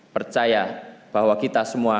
percaya bahwa kita semua